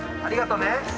ありがとね。